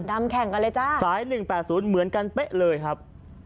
แข่งกันเลยจ้าสาย๑๘๐เหมือนกันเป๊ะเลยครับ